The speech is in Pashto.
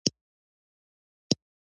لکه څنګه چې ليدل کېږي